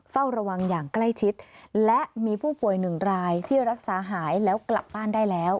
เฝ้าระวังอย่างใกล้ชิดและมีผู้ป่วยหนึ่งรายที่รักษาหายแล้วกลับบ้านได้แล้ว